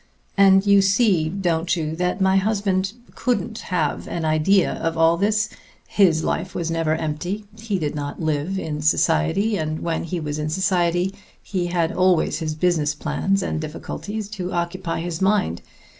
"And you see, don't you, that my husband couldn't have an idea of all this? His life was never empty. He did not live it in society, and when he was in society he had always his business plans and difficulties to occupy his mind.